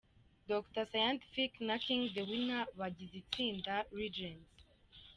Dr Scientific na King The Winner bagize itsinda Legends.